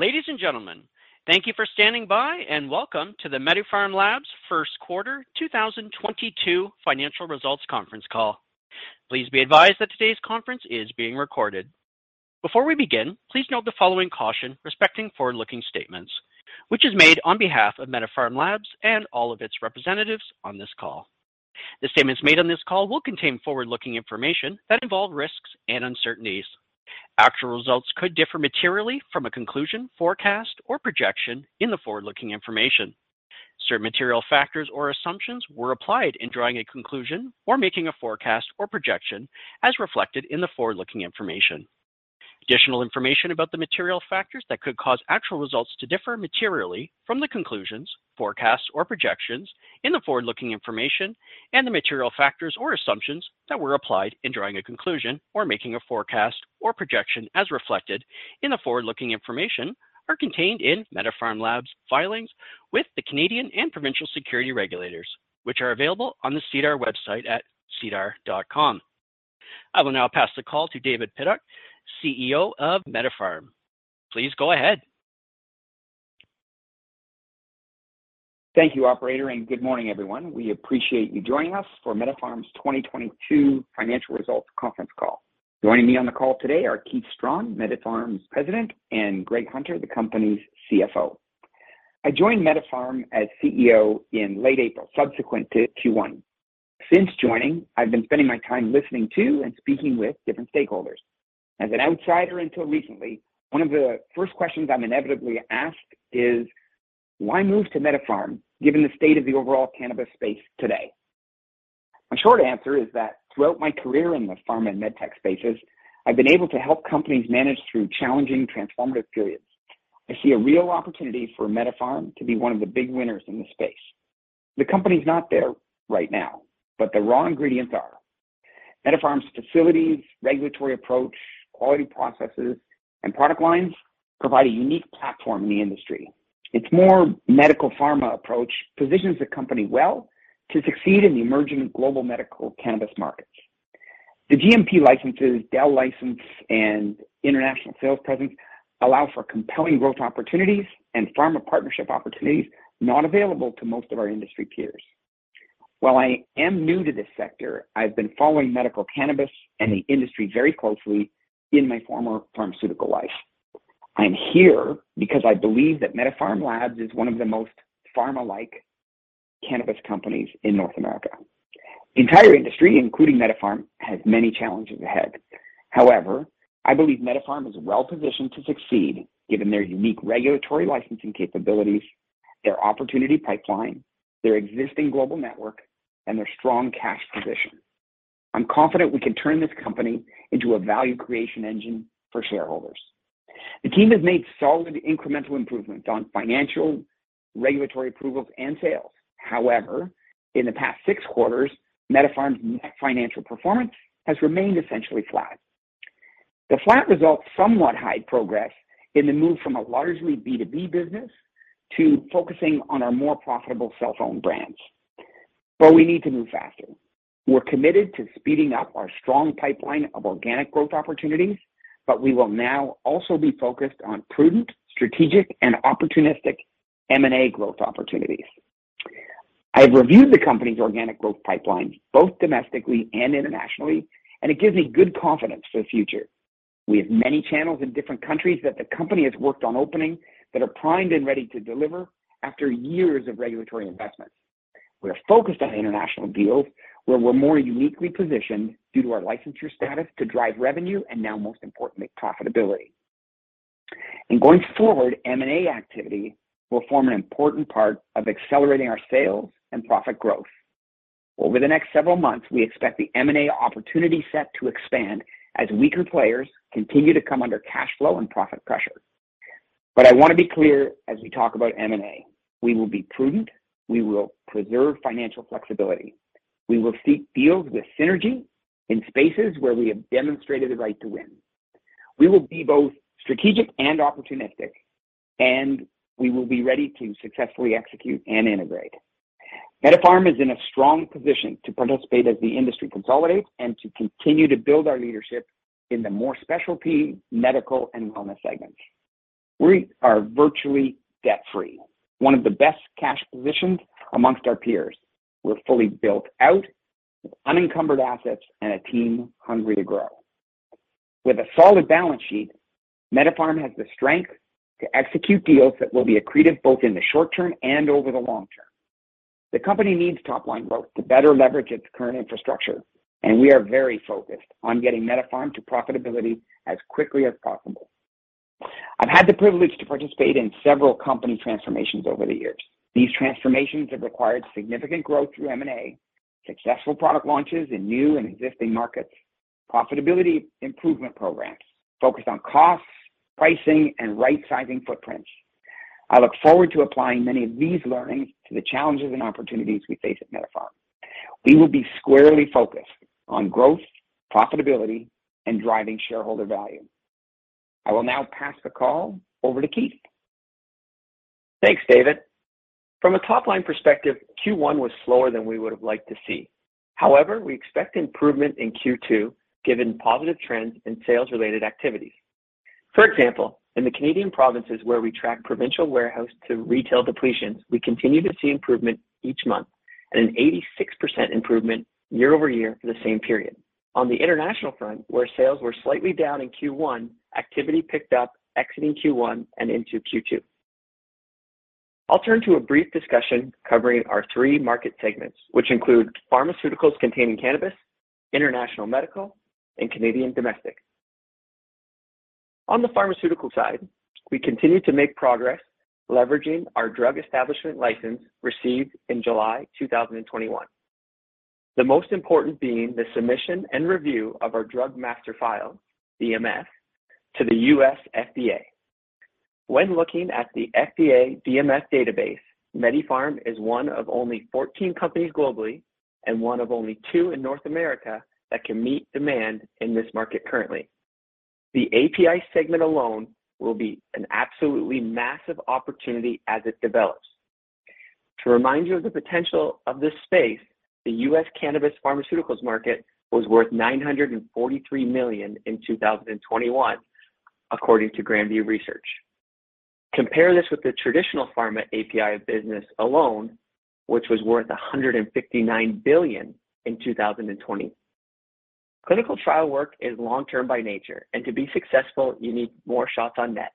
Ladies and gentlemen, thank you for standing by and welcome to the MediPharm Labs First Quarter 2022 Financial Results Conference Call. Please be advised that today's conference is being recorded. Before we begin, please note the following caution respecting forward-looking statements, which is made on behalf of MediPharm Labs and all of its representatives on this call. The statements made on this call will contain forward-looking information that involve risks and uncertainties. Actual results could differ materially from a conclusion, forecast, or projection in the forward-looking information. Certain material factors or assumptions were applied in drawing a conclusion or making a forecast or projection as reflected in the forward-looking information. Additional information about the material factors that could cause actual results to differ materially from the conclusions, forecasts, or projections in the forward-looking information and the material factors or assumptions that were applied in drawing a conclusion or making a forecast or projection as reflected in the forward-looking information are contained in MediPharm Labs filings with the Canadian and provincial securities regulators, which are available on the SEDAR website at sedar.com. I will now pass the call to David Pidduck, CEO of MediPharm. Please go ahead. Thank you, operator, and good morning, everyone. We appreciate you joining us for MediPharm's 2022 financial results conference call. Joining me on the call today are Keith Strachan, MediPharm's President, and Greg Hunter, the company's CFO. I joined MediPharm as CEO in late April, subsequent to Q1. Since joining, I've been spending my time listening to and speaking with different stakeholders. As an outsider until recently, one of the first questions I'm inevitably asked is, "Why move to MediPharm given the state of the overall cannabis space today?" My short answer is that throughout my career in the pharma and med tech spaces, I've been able to help companies manage through challenging transformative periods. I see a real opportunity for MediPharm to be one of the big winners in the space. The company's not there right now, but the raw ingredients are. MediPharm's facilities, regulatory approach, quality processes, and product lines provide a unique platform in the industry. Its more medical pharma approach positions the company well to succeed in the emerging global medical cannabis markets. The GMP licenses, DEL license, and international sales presence allow for compelling growth opportunities and pharma partnership opportunities not available to most of our industry peers. While I am new to this sector, I've been following medical cannabis and the industry very closely in my former pharmaceutical life. I'm here because I believe that MediPharm Labs is one of the most pharma-like cannabis companies in North America. The entire industry, including MediPharm, has many challenges ahead. However, I believe MediPharm is well-positioned to succeed given their unique regulatory licensing capabilities, their opportunity pipeline, their existing global network, and their strong cash position. I'm confident we can turn this company into a value creation engine for shareholders. The team has made solid incremental improvements on financial, regulatory approvals, and sales. However, in the past six quarters, MediPharm's net financial performance has remained essentially flat. The flat results somewhat hide progress in the move from a largely B2B business to focusing on our more profitable self-owned brands. We need to move faster. We're committed to speeding up our strong pipeline of organic growth opportunities, but we will now also be focused on prudent, strategic, and opportunistic M&A growth opportunities. I have reviewed the company's organic growth pipeline both domestically and internationally, and it gives me good confidence for the future. We have many channels in different countries that the company has worked on opening that are primed and ready to deliver after years of regulatory investments. We are focused on international deals where we're more uniquely positioned due to our licensure status to drive revenue and now most importantly, profitability. In going forward, M&A activity will form an important part of accelerating our sales and profit growth. Over the next several months, we expect the M&A opportunity set to expand as weaker players continue to come under cash flow and profit pressure. I want to be clear as we talk about M&A. We will be prudent. We will preserve financial flexibility. We will seek deals with synergy in spaces where we have demonstrated the right to win. We will be both strategic and opportunistic, and we will be ready to successfully execute and integrate. MediPharm is in a strong position to participate as the industry consolidates and to continue to build our leadership in the more specialty medical and wellness segments. We are virtually debt-free, one of the best cash positions among our peers. We're fully built out with unencumbered assets and a team hungry to grow. With a solid balance sheet, MediPharm has the strength to execute deals that will be accretive both in the short term and over the long term. The company needs top-line growth to better leverage its current infrastructure, and we are very focused on getting MediPharm to profitability as quickly as possible. I've had the privilege to participate in several company transformations over the years. These transformations have required significant growth through M&A, successful product launches in new and existing markets, profitability improvement programs focused on costs, pricing, and right-sizing footprints. I look forward to applying many of these learnings to the challenges and opportunities we face at MediPharm. We will be squarely focused on growth, profitability, and driving shareholder value. I will now pass the call over to Keith. Thanks, David. From a top-line perspective, Q1 was slower than we would have liked to see. However, we expect improvement in Q2, given positive trends in sales-related activities. For example, in the Canadian provinces where we track provincial warehouse to retail depletions, we continue to see improvement each month and an 86% improvement year-over-year for the same period. On the international front, where sales were slightly down in Q1, activity picked up exiting Q1 and into Q2. I'll turn to a brief discussion covering our three market segments, which include pharmaceuticals containing cannabis, international medical, and Canadian domestic. On the pharmaceutical side, we continue to make progress leveraging our Drug Establishment License received in July 2021. The most important being the submission and review of our Drug Master File, DMF, to the U.S. FDA. When looking at the FDA DMF database, MediPharm is one of only 14 companies globally and one of only two in North America that can meet demand in this market currently. The API segment alone will be an absolutely massive opportunity as it develops. To remind you of the potential of this space, the U.S. cannabis pharmaceuticals market was worth $943 million in 2021, according to Grand View Research. Compare this with the traditional pharma API business alone, which was worth $159 billion in 2020. Clinical trial work is long-term by nature, and to be successful, you need more shots on net.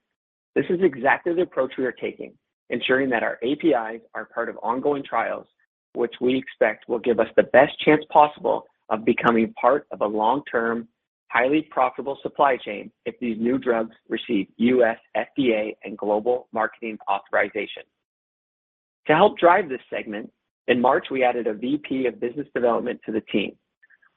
This is exactly the approach we are taking, ensuring that our APIs are part of ongoing trials, which we expect will give us the best chance possible of becoming part of a long-term, highly profitable supply chain if these new drugs receive U.S. FDA and global marketing authorization. To help drive this segment, in March, we added a VP of business development to the team.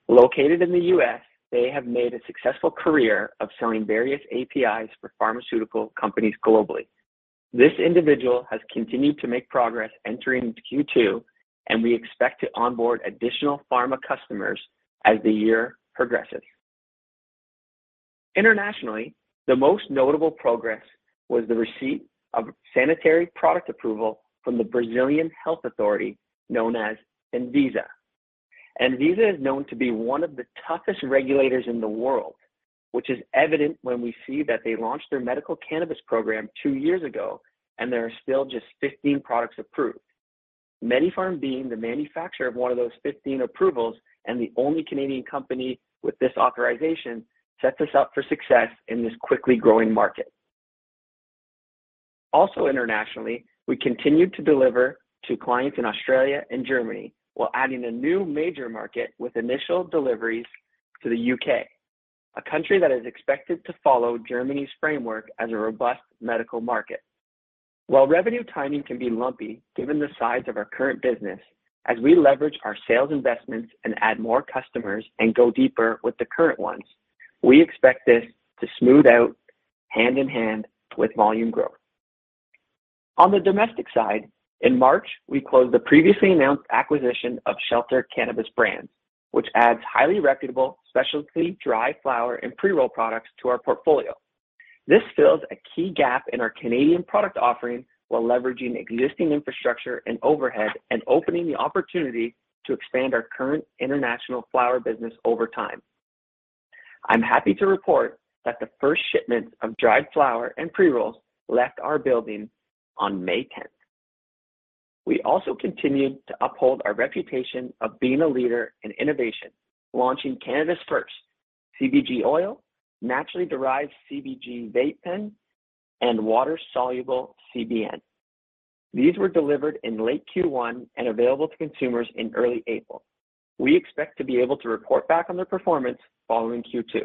Located in the U.S., they have made a successful career of selling various APIs for pharmaceutical companies globally. This individual has continued to make progress entering Q2, and we expect to onboard additional pharma customers as the year progresses. Internationally, the most notable progress was the receipt of sanitary product approval from the Brazilian Health Authority, known as Anvisa. Anvisa is known to be one of the toughest regulators in the world, which is evident when we see that they launched their medical cannabis program two years ago, and there are still just 15 products approved. MediPharm being the manufacturer of one of those 15 approvals and the only Canadian company with this authorization sets us up for success in this quickly growing market. Also internationally, we continued to deliver to clients in Australia and Germany while adding a new major market with initial deliveries to the U.K., a country that is expected to follow Germany's framework as a robust medical market. While revenue timing can be lumpy given the size of our current business, as we leverage our sales investments and add more customers and go deeper with the current ones, we expect this to smooth out hand-in-hand with volume growth. On the domestic side, in March, we closed the previously announced acquisition of Shelter Cannabis Brands, which adds highly reputable specialty dry flower and pre-roll products to our portfolio. This fills a key gap in our Canadian product offering while leveraging existing infrastructure and overhead and opening the opportunity to expand our current international flower business over time. I'm happy to report that the first shipment of dried flower and pre-rolls left our building on May 10th. We also continued to uphold our reputation of being a leader in innovation, launching cannabis-first CBG oil, naturally-derived CBG vape pen, and water-soluble CBN. These were delivered in late Q1 and available to consumers in early April. We expect to be able to report back on their performance following Q2.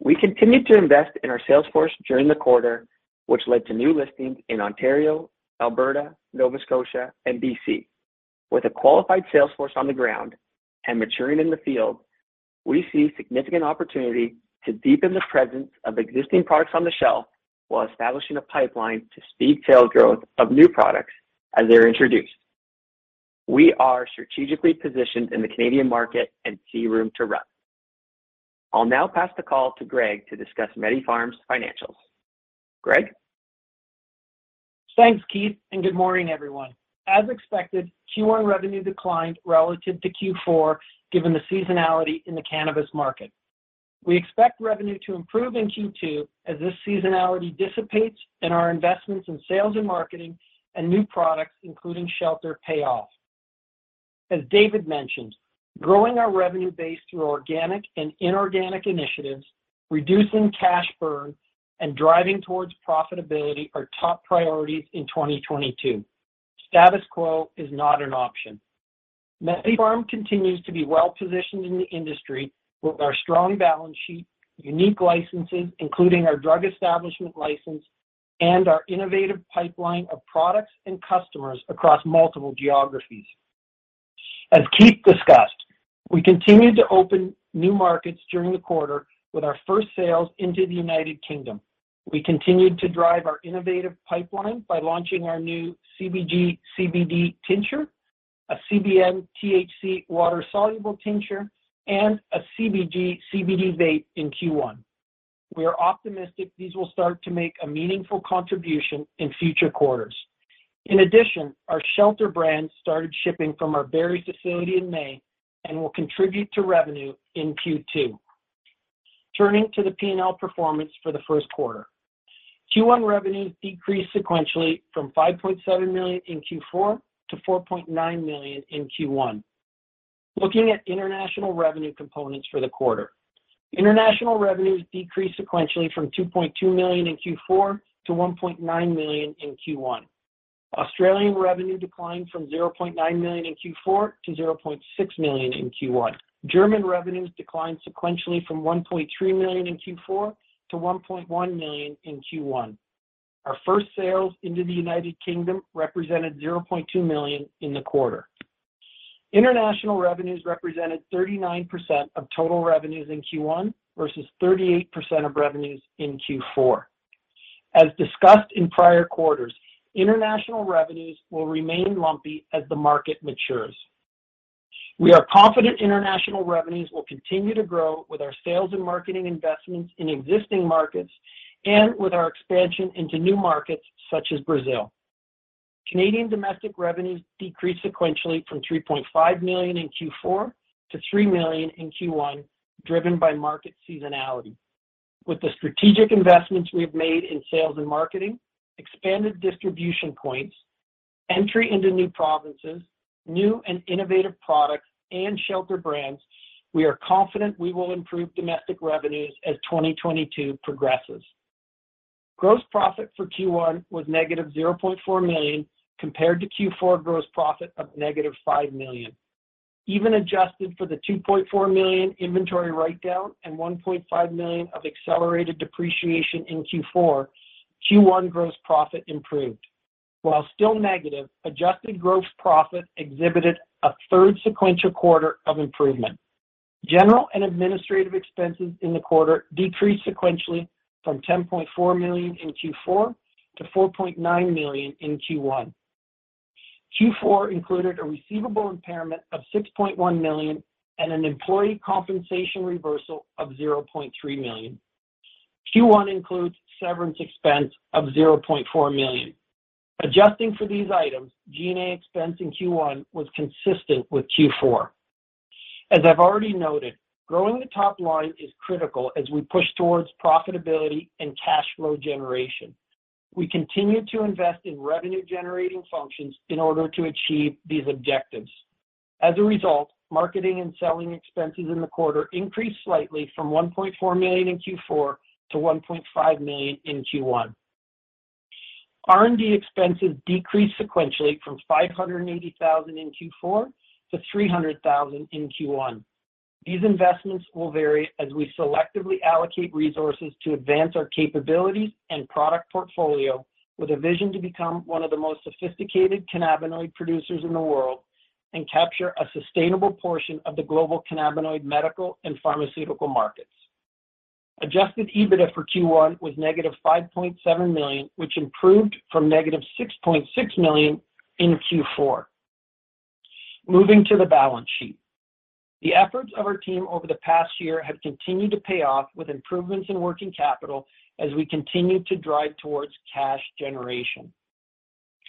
We continued to invest in our sales force during the quarter, which led to new listings in Ontario, Alberta, Nova Scotia, and BC. With a qualified sales force on the ground and maturing in the field, we see significant opportunity to deepen the presence of existing products on the shelf while establishing a pipeline to speed sales growth of new products as they're introduced. We are strategically positioned in the Canadian market and see room to run. I'll now pass the call to Greg to discuss MediPharm's financials. Greg. Thanks, Keith, and good morning, everyone. As expected, Q1 revenue declined relative to Q4 given the seasonality in the cannabis market. We expect revenue to improve in Q2 as this seasonality dissipates and our investments in sales and marketing and new products, including Shelter, pay off. As David mentioned, growing our revenue base through organic and inorganic initiatives, reducing cash burn, and driving towards profitability are top priorities in 2022. Status quo is not an option. MediPharm continues to be well-positioned in the industry with our strong balance sheet, unique licenses, including our Drug Establishment License, and our innovative pipeline of products and customers across multiple geographies. As Keith discussed, we continued to open new markets during the quarter with our first sales into the United Kingdom. We continued to drive our innovative pipeline by launching our new CBG:CBD tincture, a CBN THC water-soluble tincture and a CBG:CBD vape in Q1. We are optimistic these will start to make a meaningful contribution in future quarters. In addition, our Shelter brand started shipping from our Barrie facility in May and will contribute to revenue in Q2. Turning to the P&L performance for the first quarter. Q1 revenues decreased sequentially from 5.7 million in Q4 to 4.9 million in Q1. Looking at international revenue components for the quarter. International revenues decreased sequentially from 2.2 million in Q4 to 1.9 million in Q1. Australian revenue declined from 0.9 million in Q4 to 0.6 million in Q1. German revenues declined sequentially from 1.3 million in Q4 to 1.1 million in Q1. Our first sales into the United Kingdom represented 0.2 million in the quarter. International revenues represented 39% of total revenues in Q1 versus 38% of revenues in Q4. As discussed in prior quarters, international revenues will remain lumpy as the market matures. We are confident international revenues will continue to grow with our sales and marketing investments in existing markets and with our expansion into new markets such as Brazil. Canadian domestic revenues decreased sequentially from 3.5 million in Q4 to 3 million in Q1, driven by market seasonality. With the strategic investments we have made in sales and marketing, expanded distribution points, entry into new provinces, new and innovative products, and Shelter brands, we are confident we will improve domestic revenues as 2022 progresses. Gross profit for Q1 was -0.4 million, compared to Q4 gross profit of -5 million. Even adjusted for the 2.4 million inventory write down and 1.5 million of accelerated depreciation in Q4, Q1 gross profit improved. While still negative, adjusted gross profit exhibited a third sequential quarter of improvement. General and administrative expenses in the quarter decreased sequentially from 10.4 million in Q4 to 4.9 million in Q1. Q4 included a receivable impairment of 6.1 million and an employee compensation reversal of 0.3 million. Q1 includes severance expense of 0.4 million. Adjusting for these items, G&A expense in Q1 was consistent with Q4. As I've already noted, growing the top line is critical as we push towards profitability and cash flow generation. We continue to invest in revenue-generating functions in order to achieve these objectives. As a result, marketing and selling expenses in the quarter increased slightly from 1.4 million in Q4 to 1.5 million in Q1. R&D expenses decreased sequentially from 580,000 in Q4 to 300,000 in Q1. These investments will vary as we selectively allocate resources to advance our capabilities and product portfolio with a vision to become one of the most sophisticated cannabinoid producers in the world and capture a sustainable portion of the global cannabinoid medical and pharmaceutical markets. Adjusted EBITDA for Q1 was -5.7 million, which improved from -6.6 million in Q4. Moving to the balance sheet. The efforts of our team over the past year have continued to pay off with improvements in working capital as we continue to drive towards cash generation.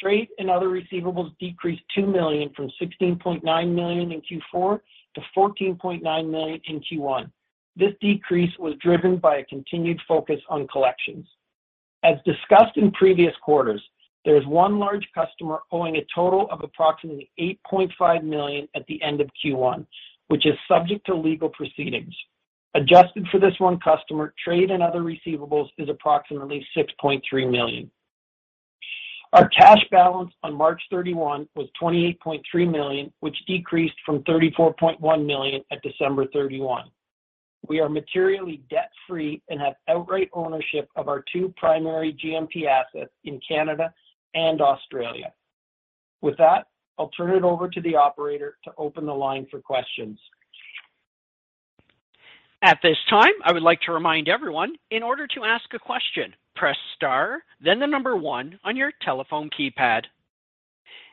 Trade and other receivables decreased 2 million from 16.9 million in Q4 to 14.9 million in Q1. This decrease was driven by a continued focus on collections. As discussed in previous quarters, there is one large customer owing a total of approximately 8.5 million at the end of Q1, which is subject to legal proceedings. Adjusted for this one customer, trade and other receivables is approximately 6.3 million. Our cash balance on March 31 was 28.3 million, which decreased from 34.1 million at December 31. We are materially debt-free and have outright ownership of our two primary GMP assets in Canada and Australia. With that, I'll turn it over to the operator to open the line for questions. At this time, I would like to remind everyone, in order to ask a question, press star then the number one on your telephone keypad.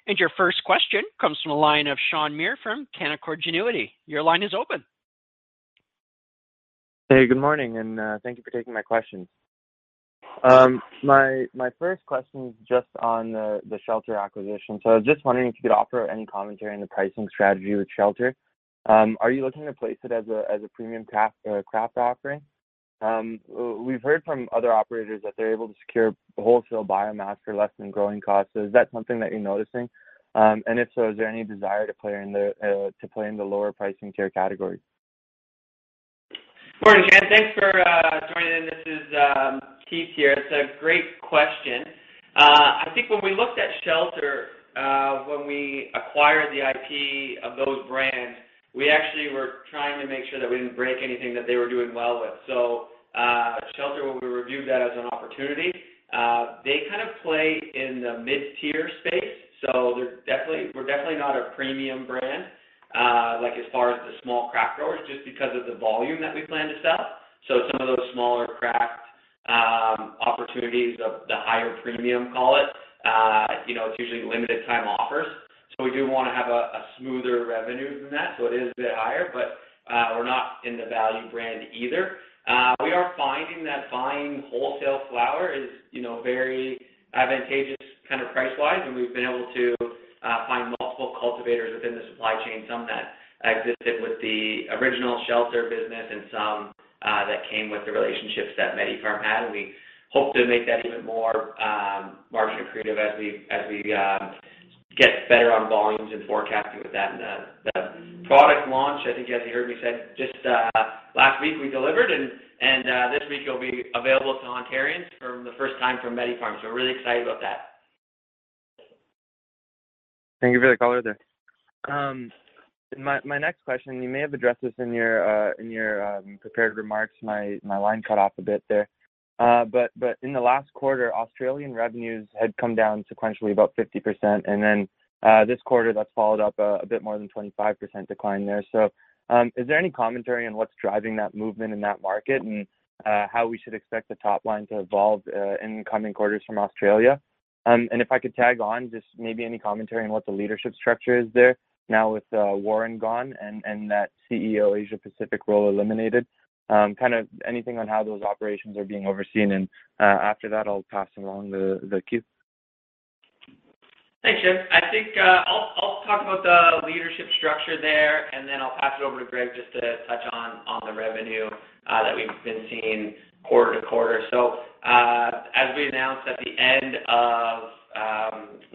Your first question comes from the line of Sean Muir from Canaccord Genuity. Your line is open. Hey, good morning, and thank you for taking my questions. My first question is just on the Shelter acquisition. I was just wondering if you could offer any commentary on the pricing strategy with Shelter. Are you looking to place it as a premium craft offering? We've heard from other operators that they're able to secure wholesale biomass for less than growing costs. Is that something that you're noticing? If so, is there any desire to play in the lower pricing tier category? Morning, Sean. Thanks for joining in. This is Keith here. It's a great question. I think when we looked at Shelter, when we acquired the IP of those brands, we actually were trying to make sure that we didn't break anything that they were doing well with. Shelter, when we reviewed that as an opportunity, they kind of play in the mid-tier space. They're definitely we're definitely not a premium brand, like as far as the small craft growers, just because of the volume that we plan to sell. Some of those smaller craft opportunities of the higher premium call it. You know, it's usually limited time offers. We do wanna have a smoother revenue than that. It is a bit higher, but we're not in the value brand either. We are finding that buying wholesale flower is, you know, very advantageous kind of price-wise, and we've been able to find multiple cultivators within the supply chain, some that existed with the original Shelter business and some that came with the relationships that MediPharm had. We hope to make that even more margin accretive as we get better on volumes and forecasting with that. The product launch, I think as you heard me say, just last week we delivered and this week it'll be available to Ontarians for the first time from MediPharm. We're really excited about that. Thank you for the color there. My next question, you may have addressed this in your prepared remarks. My line cut off a bit there. In the last quarter, Australian revenues had come down sequentially about 50%. Then this quarter, that's followed up a bit more than 25% decline there. Is there any commentary on what's driving that movement in that market and how we should expect the top line to evolve in coming quarters from Australia? If I could tag on just maybe any commentary on what the leadership structure is there now with Warren gone and that CEO Asia Pacific role eliminated, kind of anything on how those operations are being overseen. After that, I'll pass along the queue. Thanks, Sean. I think I'll talk about the leadership structure there, and then I'll pass it over to Greg just to touch on the revenue that we've been seeing quarter-to-quarter. As we announced our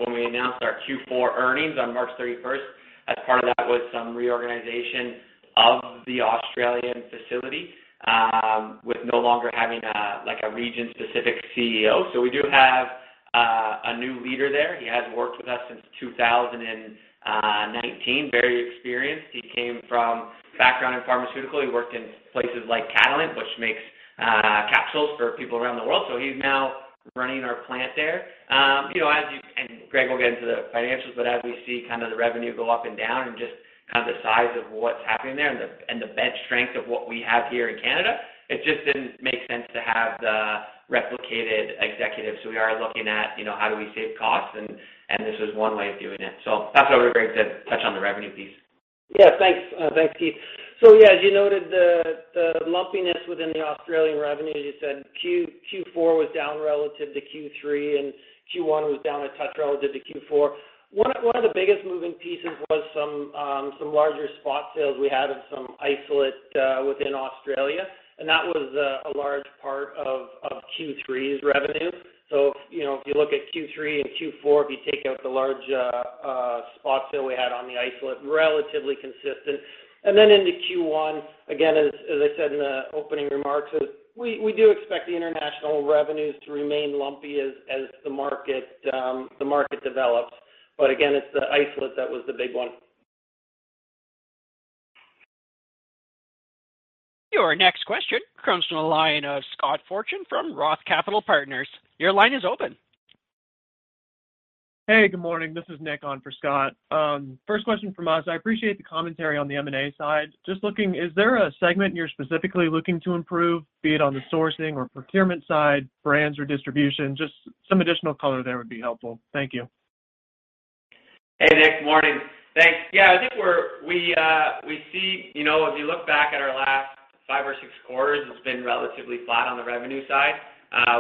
Q4 earnings on March 31st, as part of that was some reorganization of the Australian facility with no longer having like a Region Pacific CEO. We do have a new leader there. He has worked with us since 2019. Very experienced. He came from a background in pharmaceuticals. He worked in places like Catalent, which makes capsules for people around the world. He's now running our plant there. You know, as you... Greg will get into the financials, but as we see kind of the revenue go up and down and just kind of the size of what's happening there and the, and the bench strength of what we have here in Canada, it just didn't make sense to have the replicated executives. We are looking at, you know, how do we save costs and this was one way of doing it. Pass over to Greg to touch on the revenue piece. Yeah, thanks. Thanks, Keith. Yeah, as you noted the lumpiness within the Australian revenue, as you said Q4 was down relative to Q3, and Q1 was down a touch relative to Q4. One of the biggest moving pieces was some larger spot sales we had of some isolate within Australia, and that was a large part of Q3's revenue. You know, if you look at Q3 and Q4, if you take out the large spot sale we had on the isolate, relatively consistent. Then into Q1, again, as I said in the opening remarks, we do expect the international revenues to remain lumpy as the market develops. Again, it's the isolate that was the big one. Your next question comes from the line of Scott Fortune from Roth Capital Partners. Your line is open. Hey, good morning. This is Nick on for Scott. First question from us. I appreciate the commentary on the M&A side. Just looking, is there a segment you're specifically looking to improve, be it on the sourcing or procurement side, brands or distribution? Just some additional color there would be helpful. Thank you. Hey, Nick. Morning. Thanks. Yeah, I think we see, you know, as you look back at our last five or six quarters, it's been relatively flat on the revenue side.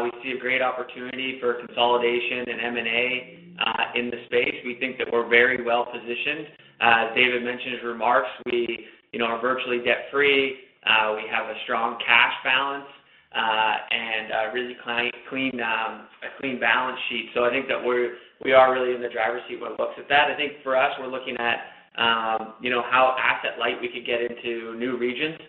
We see a great opportunity for consolidation and M&A in the space. We think that we're very well-positioned. As David mentioned in his remarks, we, you know, are virtually debt-free. We have a strong cash balance and a really clean balance sheet. I think that we are really in the driver's seat when it looks at that. I think for us, we're looking at, you know, how asset light we could get into new regions.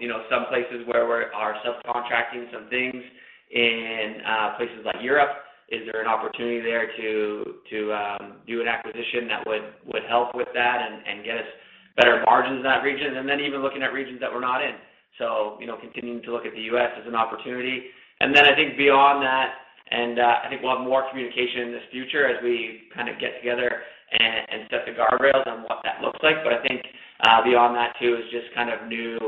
You know, some places where we're subcontracting some things in places like Europe, is there an opportunity there to do an acquisition that would help with that and get us better margins in that region? Even looking at regions that we're not in. You know, continuing to look at the U.S. as an opportunity. I think beyond that, I think we'll have more communication in this future as we kinda get together and set the guardrails on what that looks like. I think beyond that too is just kind of new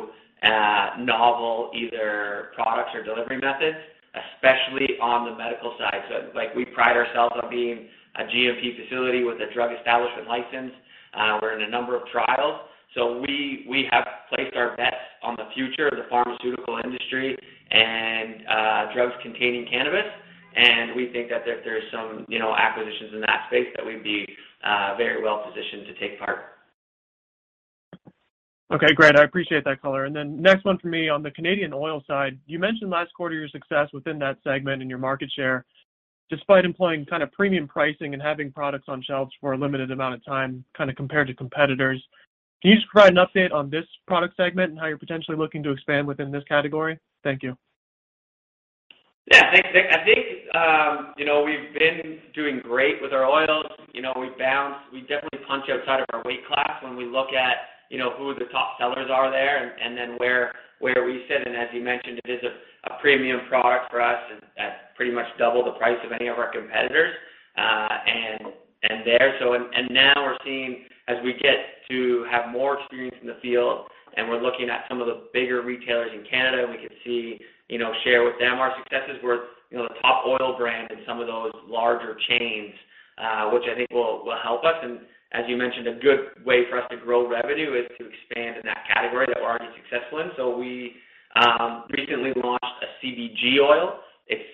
novel either products or delivery methods, especially on the medical side. Like we pride ourselves on being a GMP facility with a Drug Establishment License. We're in a number of trials, so we have placed our bets on the future of the pharmaceutical industry and drugs containing cannabis. We think that if there's some, you know, acquisitions in that space, that we'd be very well positioned to take part. Okay, great. I appreciate that color. Next one for me. On the Canadian oil side, you mentioned last quarter your success within that segment and your market share despite employing kind of premium pricing and having products on shelves for a limited amount of time, kind of compared to competitors. Can you just provide an update on this product segment and how you're potentially looking to expand within this category? Thank you. Yeah. Thanks, Nick. I think you know, we've been doing great with our oils. You know, we've bounced. We definitely punch outside of our weight class when we look at you know, who the top sellers are there and then where we sit. As you mentioned, it is a premium product for us and at pretty much double the price of any of our competitors and there. Now we're seeing as we get to have more experience in the field. We're looking at some of the bigger retailers in Canada, and we could see you know, share with them our successes. We're you know, the top oil brand in some of those larger chains, which I think will help us. As you mentioned, a good way for us to grow revenue is to expand in that category that we're already successful in. We recently launched a CBG oil. It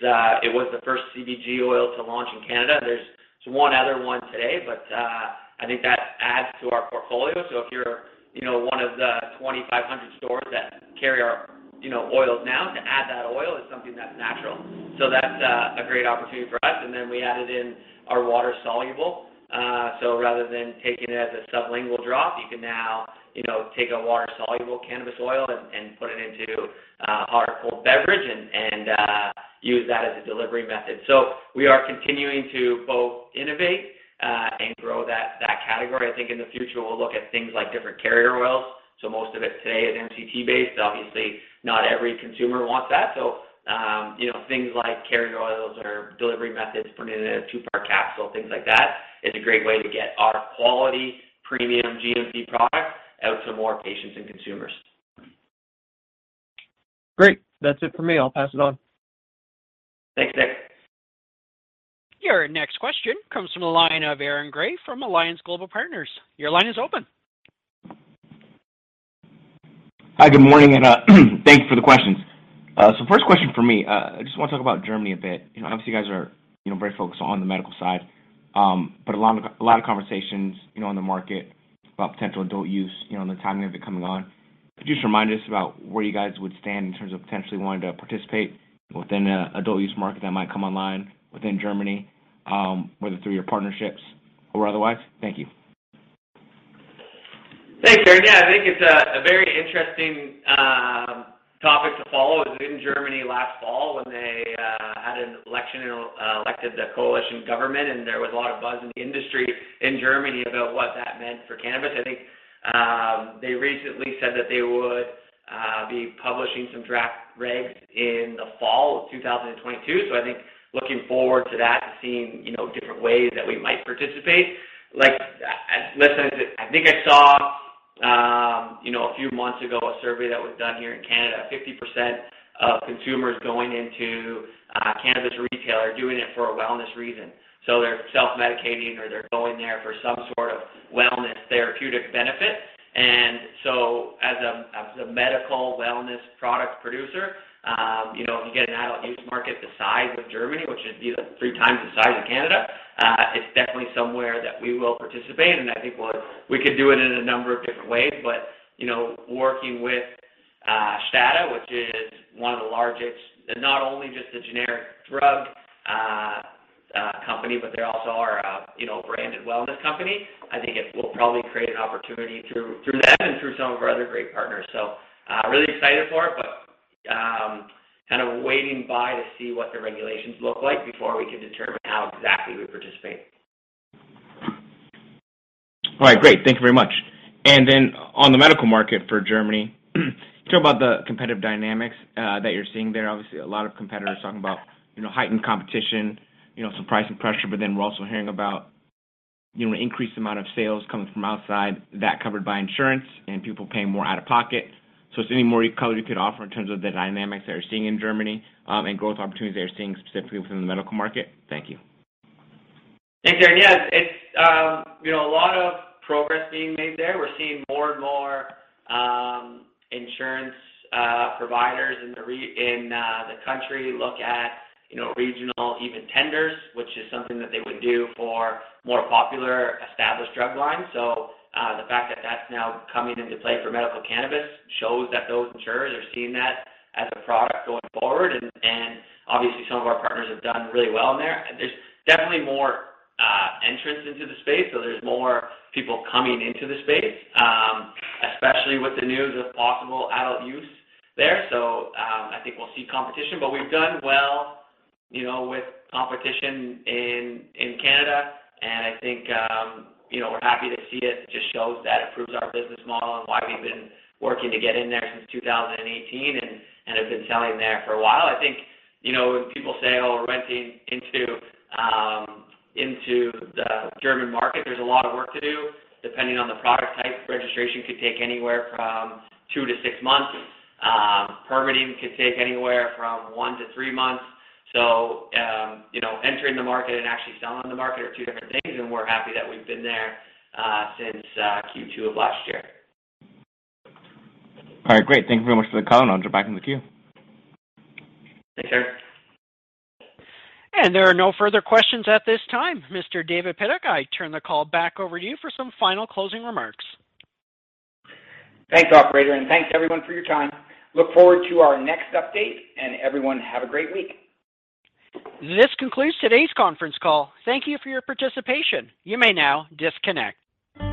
was the first CBG oil to launch in Canada. There's one other one today, but I think that adds to our portfolio. If you're, you know, one of the 2,500 stores that carry our, you know, oils now, to add that oil is something that's natural. That's a great opportunity for us. Then we added in our water-soluble. Rather than taking it as a sublingual drop, you can now, you know, take a water-soluble cannabis oil and use that as a delivery method. We are continuing to both innovate and grow that category. I think in the future, we'll look at things like different carrier oils. Most of it today is MCT based. Obviously, not every consumer wants that. You know, things like carrier oils or delivery methods, putting it in a two-part capsule, things like that is a great way to get our quality premium GMP product out to more patients and consumers. Great. That's it for me. I'll pass it on. Thanks, Nick. Your next question comes from the line of Aaron Grey from Alliance Global Partners. Your line is open. Hi, good morning, and thank you for the questions. First question from me. I just wanna talk about Germany a bit. You know, obviously, you guys are, you know, very focused on the medical side. A lot of conversations, you know, on the market about potential adult use, you know, and the timing of it coming on. Could you just remind us about where you guys would stand in terms of potentially wanting to participate within the adult use market that might come online within Germany, whether through your partnerships or otherwise? Thank you. Thanks, Aaron. Yeah. I think it's a very interesting topic to follow. I was in Germany last fall when they had an election and elected the coalition government, and there was a lot of buzz in the industry in Germany about what that meant for cannabis. I think they recently said that they would be publishing some draft regs in the fall of 2022. I think looking forward to that, to seeing, you know, different ways that we might participate. Like, listen, I think I saw, you know, a few months ago, a survey that was done here in Canada, 50% of consumers going into a cannabis retailer are doing it for a wellness reason. They're self-medicating, or they're going there for some sort of wellness therapeutic benefit. As a medical wellness product producer, you know, if you get an adult use market the size of Germany, which would be 3x the size of Canada, it's definitely somewhere that we will participate. I think we could do it in a number of different ways. You know, working with STADA, which is one of the largest, not only just a generic drug company, but they also are a, you know, branded wellness company. I think it will probably create an opportunity through them and through some of our other great partners. Really excited for it, but kind of waiting to see what the regulations look like before we can determine how exactly we participate. All right. Great. Thank you very much. Then on the medical market for Germany, can you talk about the competitive dynamics that you're seeing there? Obviously, a lot of competitors talking about, you know, heightened competition, you know, some pricing pressure, but then we're also hearing about, you know, increased amount of sales coming from outside that covered by insurance and people paying more out-of-pocket. Is there any more color you could offer in terms of the dynamics that you're seeing in Germany, and growth opportunities that you're seeing specifically within the medical market? Thank you. Thanks, Aaron. Yes, it's you know, a lot of progress being made there. We're seeing more and more insurance providers in the country look at you know, regional even tenders, which is something that they would do for more popular established drug lines. The fact that that's now coming into play for medical cannabis shows that those insurers are seeing that as a product going forward. Obviously, some of our partners have done really well in there. There's definitely more entrants into the space, so there's more people coming into the space, especially with the news of possible adult use there. I think we'll see competition. We've done well you know, with competition in Canada. I think you know, we're happy to see it. It just shows that it proves our business model and why we've been working to get in there since 2018 and have been selling there for a while. I think, you know, when people say, "Oh, we're entering into the German market," there's a lot of work to do. Depending on the product type, registration could take anywhere from two to six months. Permitting could take anywhere from one to three months. You know, entering the market and actually selling in the market are two different things, and we're happy that we've been there since Q2 of last year. All right. Great. Thank you very much for the call. I'll drop back in the queue. Thanks, Aaron. There are no further questions at this time. Mr. David Pidduck, I turn the call back over to you for some final closing remarks. Thanks, operator, and thanks everyone for your time. Look forward to our next update. Everyone, have a great week. This concludes today's conference call. Thank you for your participation. You may now disconnect.